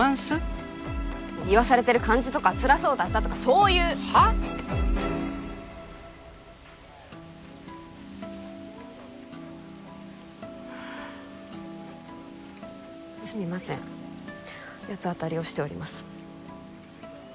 言わされてる感じとかつらそうだったとかそういうはっ？はあすみません八つ当たりをしております